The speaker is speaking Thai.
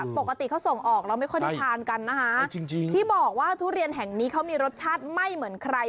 ปกติเขาส่งออกเราไม่ค่อยได้ทานกันนะคะจริงที่บอกว่าทุเรียนแห่งนี้เขามีรสชาติไม่เหมือนใคร